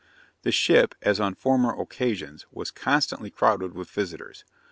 The ship, as on former occasions, was constantly crowded with visitors.